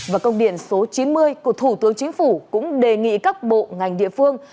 và công điện số chín mươi của thủ tướng chính phủ cũng đề nghị các bộ ngành địa phương